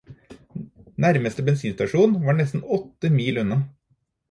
Nærmeste bensinstasjon var nesten åtti mil unna.